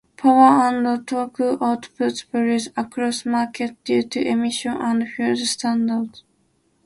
Power and torque outputs varied across markets due to emission and fuel standards.